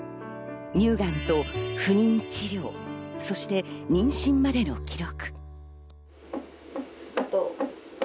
乳がんと不妊治療、そして妊娠までの記録。